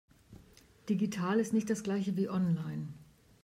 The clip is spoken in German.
Digital ist nicht das Gleiche wie online.